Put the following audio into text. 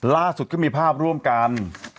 ล่าสุดก็มีภาพร่วมกัน